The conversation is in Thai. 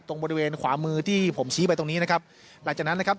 บริเวณขวามือที่ผมชี้ไปตรงนี้นะครับหลังจากนั้นนะครับ